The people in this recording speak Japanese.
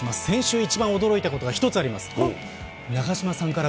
先週一番驚いたことがあります。